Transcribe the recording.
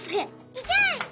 いけ！